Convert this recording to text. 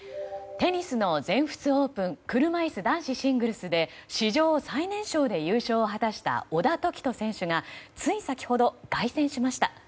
テニスの全仏オープン車いす男子シングルスで史上最年少で優勝を果たした小田凱人選手がつい先ほど凱旋しました。